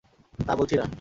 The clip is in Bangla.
তা বলছি না।